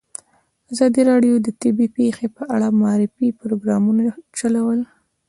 ازادي راډیو د طبیعي پېښې په اړه د معارفې پروګرامونه چلولي.